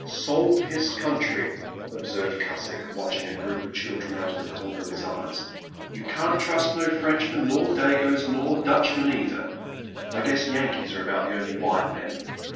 Sold his country,*' observed Cusick, watching a group of children out of the comer of his eyes —*' you can*t trust no Frenchman nor dagoes nor Dutchmen either. I guess Yankees are about the only white men.